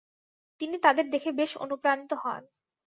তিনি তাদের দেখে বেশ অনুপ্রাণিত হন।